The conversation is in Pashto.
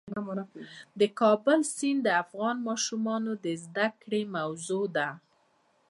د کابل سیند د افغان ماشومانو د زده کړې موضوع ده.